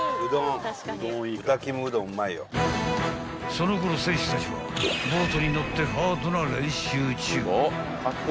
［そのころ選手たちはボートに乗ってハードな練習中］